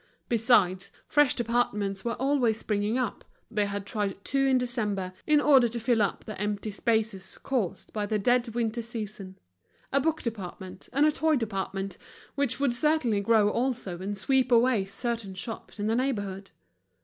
Besides, fresh departments were always springing up, they had tried two in December, in order to fill up the empty spaces caused by the dead winter season—a book department and a toy department, which would certainly grow also and sweep away certain shops in the neighborhood.